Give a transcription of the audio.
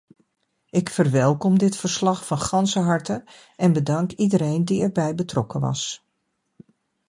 Ik verwelkom dit verslag van ganser harte en bedank iedereen die erbij betrokken was.